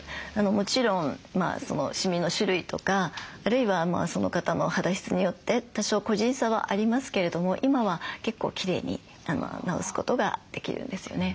もちろんシミの種類とかあるいはその方の肌質によって多少個人差はありますけれども今は結構きれいに治すことができるんですよね。